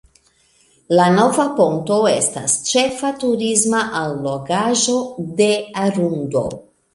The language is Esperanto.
La "Nova Ponto" estas ĉefa turisma allogaĵo de Arundo.